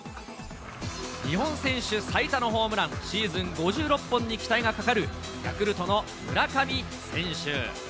日本選手最多のホームラン、シーズン５６本に期待がかかる、ヤクルトの村上選手。